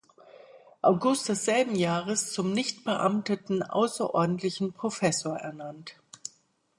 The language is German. August desselben Jahres zum nichtbeamteten außerordentlichen Professor ernannt.